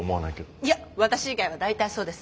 いや私以外は大体そうです。